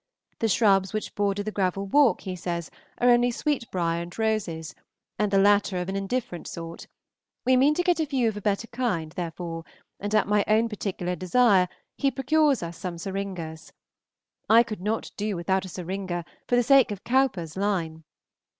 The shrubs which border the gravel walk, he says, are only sweetbrier and roses, and the latter of an indifferent sort; we mean to get a few of a better kind, therefore, and at my own particular desire he procures us some syringas. I could not do without a syringa, for the sake of Cowper's line.